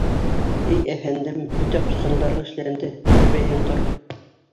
— Эй әфәндем, бөтә ҡушҡандарың эшләнде, шәбәйһәң, тор.